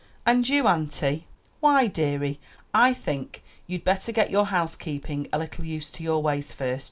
"And you, auntie?" "Why, dearie, I think you'd better get your housekeeping a little used to your ways first.